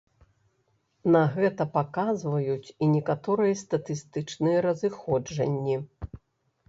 На гэта паказваюць і некаторыя статыстычныя разыходжанні.